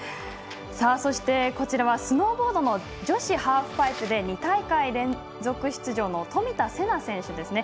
そして、こちらはスノーボード女子ハーフパイプで２大会連続出場の冨田せな選手。